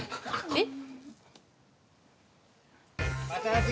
えっ？